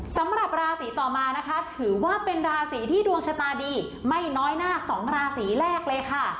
สำหรับราศีต่อมานะคะถือว่าเป็นราศีที่ดวงชะตาดีไม่น้อยหน้า๒ราศีแรกเลยค่ะ